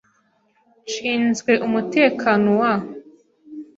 Nshinzwe umutekano wa .